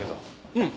うん。